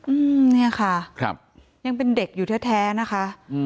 อืมเนี่ยค่ะยังเป็นเด็กอยู่แท้นะคะ